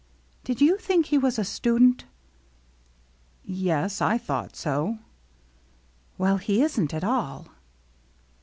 " Did you think he was a student ?"" Yes, I thought so." "Well, he isn't at all."